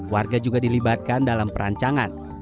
warga juga dilibatkan dalam perancangan